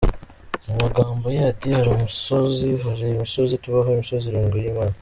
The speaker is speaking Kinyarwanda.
Mu magambo ye ati “ hari umusozi, hari imisozi tubaho imisozi irindwi y’Imana.